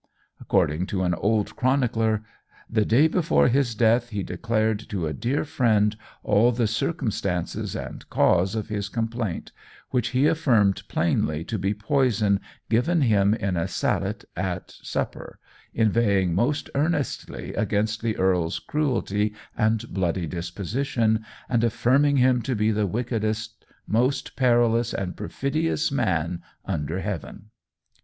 According to an old chronicler, "The day before his death he declared to a dear friend, all the circumstances and cause of his complaint, which he affirmed plainly to be poison given him in a sallet at supper, inveighing most earnestly against the earl's cruelty and bloody disposition, and affirming him to be the wickedest, most perilous and perfidious man under heaven."